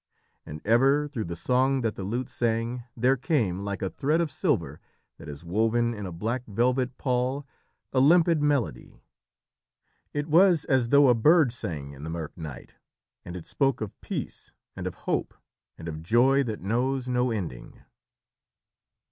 And ever, through the song that the lute sang, there came, like a thread of silver that is woven in a black velvet pall, a limpid melody. It was as though a bird sang in the mirk night, and it spoke of peace and of hope, and of joy that knows no ending.